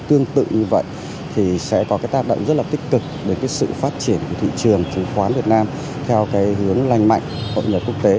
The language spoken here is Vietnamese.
trường hợp tương tự như vậy thì sẽ có cái tác động rất là tích cực đến cái sự phát triển của thị trường chứng khoán việt nam theo cái hướng lành mạnh của bộ nhà quốc tế